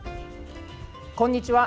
こんにちは。